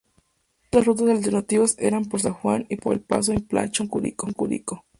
Las otras rutas alternativas eran por San Juan y por el Paso El Planchón-Curicó.